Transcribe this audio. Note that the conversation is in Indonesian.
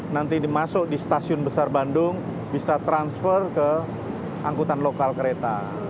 nanti dimasuk di stasiun besar bandung bisa transfer ke angkutan lokal kereta